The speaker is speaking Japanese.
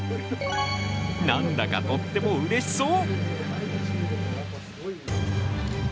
なんだか、とってもうれしそう。